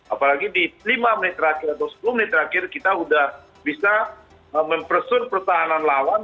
apalagi di lima menit terakhir atau sepuluh menit terakhir kita sudah bisa mempersun pertahanan lawan